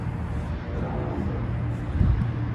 Kráľov Brod